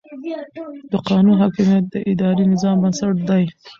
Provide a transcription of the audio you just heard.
د قانون حاکمیت د اداري نظام بنسټ دی.